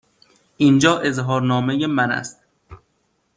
اینجا اظهارنامه من است.